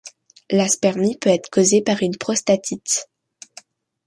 L'aspermie peut être causée par une prostatite.